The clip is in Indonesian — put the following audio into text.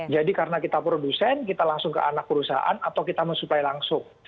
jadi karena kita produsen kita langsung ke anak perusahaan atau kita men supply langsung